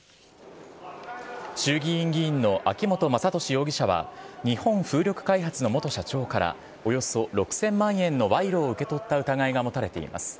衆議院議員の秋本真利容疑者は、日本風力開発の元社長から、およそ６０００万円の賄賂を受け取った疑いが持たれています。